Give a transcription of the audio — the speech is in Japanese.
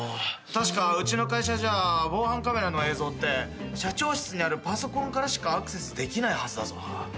確かうちの会社じゃ防犯カメラの映像って社長室にあるパソコンからしかアクセスできないはずだぞ。